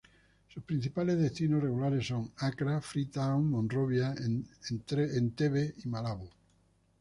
Sus principales destinos regulares son Accra, Freetown, Monrovia, Entebbe y Malabo.